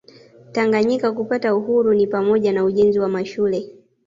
Tanganyika kupata uhuru ni pamoja na ujenzi wa mashule